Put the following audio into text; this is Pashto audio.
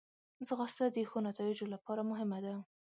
ځغاسته د ښو نتایجو لپاره مهمه ده